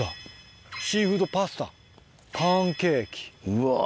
うわ。